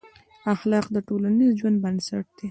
اخلاق د ټولنیز ژوند بنسټ دي.